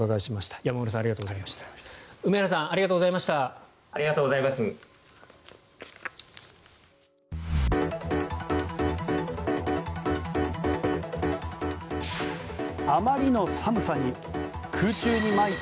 山村さん、梅原さんありがとうございました。